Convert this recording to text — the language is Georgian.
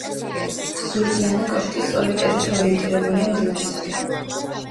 ზურგიანი კოშკი სწორი კედლით ორიენტირებულია მდინარისაკენ.